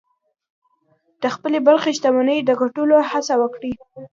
د خپلې برخې شتمني د ګټلو هڅه وکړئ.